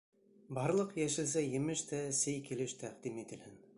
Барлыҡ йәшелсә-емеш тә сей килеш тәҡдим ителһен.